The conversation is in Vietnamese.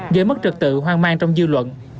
dưới mức trực tượng hoang mang trong dư luận